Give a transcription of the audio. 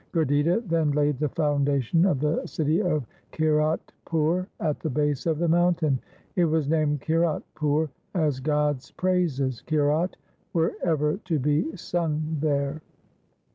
Gurditta then laid the foundation of the city of Kiratpur at the base of the mountain. It was named Kiratpur as God's praises — Kirat — were ever to be sung there.